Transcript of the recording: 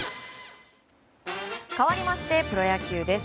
かわりましてプロ野球です。